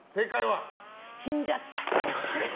死んじゃった。